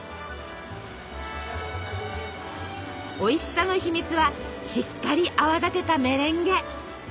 おいしさの秘密はしっかり泡立てたメレンゲ。